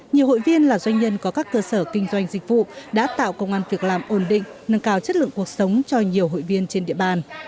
nhiều hội viên là doanh nhân có các cơ sở kinh doanh dịch vụ đã tạo công an việc làm ổn định nâng cao chất lượng cuộc sống cho nhiều hội viên trên địa bàn